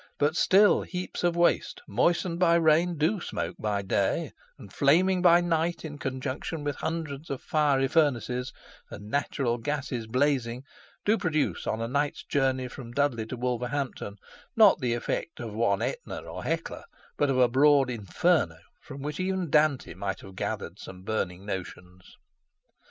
But still heaps of waste, moistened by rain, do smoke by day, and flaming by night in conjunction with hundreds of fiery furnaces and natural gases blazing, do produce, on a night's journey from Dudley to Wolverhampton, not the effect of one AEtna or Hecla, but of a broad "inferno," from which even Dante might have gathered some burning notions.